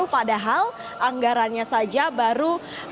padahal anggarannya saja baru